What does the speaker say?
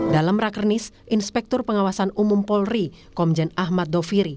dalam rakernis inspektur pengawasan umum polri komjen ahmad doviri